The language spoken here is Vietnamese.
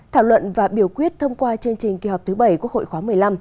thảo luận và biểu quyết thông qua chương trình kỳ họp thứ bảy quốc hội khóa một mươi năm